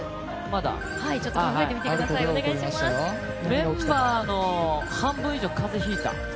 メンバーの半分以上が風邪をひいた。